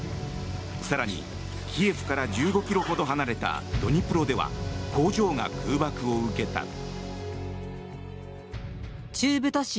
更に、キエフから１５ｋｍほど離れたドニプロでは工場が空爆を受けた。